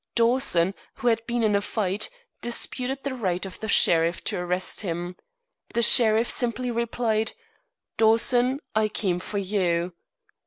Dawson, who had been in a fight, disputed the right of the sheriff to arrest him. The sheriff simply replied: "Dawson, I came for you."